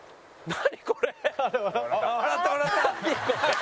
何？